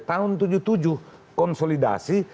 tahun tujuh puluh tujuh konsolidasi